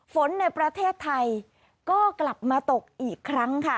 ในประเทศไทยก็กลับมาตกอีกครั้งค่ะ